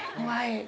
はい。